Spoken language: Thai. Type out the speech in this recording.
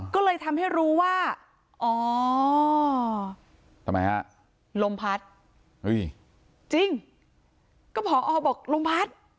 ก็เลยทำให้รู้ว่าอ๋อลมพัดจริงก็พศบอกลมพัด